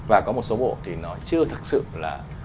và có một số bộ thì nó chưa thực sự là